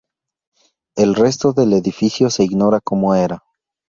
El resto del edificio se ignora cómo era.